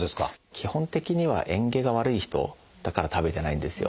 基本的にはえん下が悪い人だから食べてないんですよ。